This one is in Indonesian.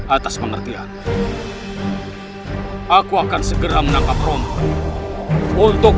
atas pengertian aku akan segera menangkap ronto untuk